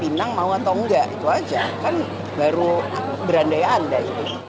pinang mau atau enggak itu aja kan baru berandai andai